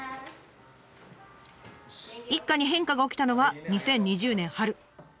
一家に変化が起きたのは２０２０年春。